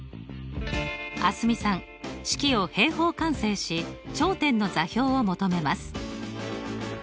蒼澄さん式を平方完成し頂点の座標を求めます。